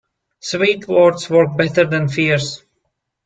Sweet words work better than fierce.